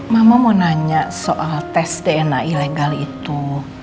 mama mau nanya soal tes dna ilegal itu